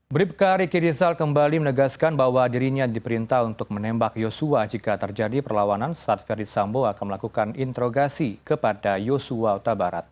bribka riki rizal kembali menegaskan bahwa dirinya diperintah untuk menembak yosua jika terjadi perlawanan saat verdi sambo akan melakukan interogasi kepada yosua utabarat